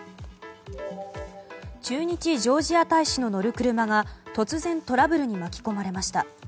駐日ジョージア大使の乗る車が突然、トラブルに巻き込まれました。